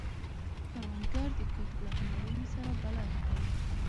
کروندګر د کښت له هنرونو سره بلد دی